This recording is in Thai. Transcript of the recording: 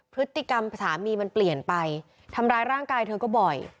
พฤติกรรมสามีมันเปลี่ยนไปทำร้ายร่างกายเธอก็บ่อย